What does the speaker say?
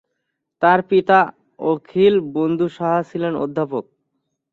তার পিতা অখিল বন্ধু সাহা ছিলেন অধ্যাপক।